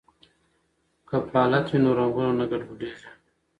که پالت وي نو رنګونه نه ګډوډیږي.